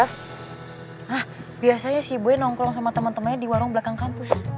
hah biasanya si boy nongkrong sama temen temennya di warung belakang kampus